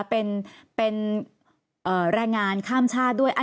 เป็นแรงงานข้ามชาติด้วย